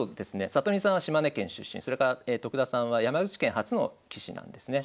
里見さんは島根県出身それから徳田さんは山口県初の棋士なんですね。